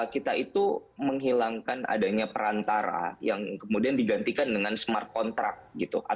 kita itu menghilangkan adanya perantara yang kemudian digantikan dengan smart contract gitu